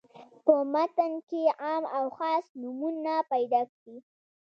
په متن کې عام او خاص نومونه پیداکړي.